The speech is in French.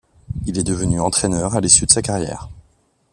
Il est devenu entraîneur à l'issue de sa carrière.